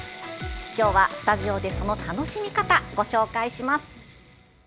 今日は、スタジオでその楽しみ方、ご紹介します。